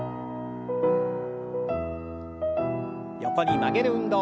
横に曲げる運動。